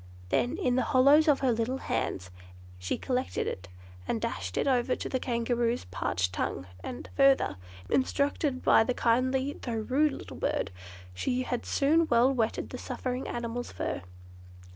Then, in the hollows of her little hands, she collected it, and dashed it over the Kangaroo's parched tongue, and, further instructed by the kindly though rude little bird, she had soon well wetted the suffering animal's fur.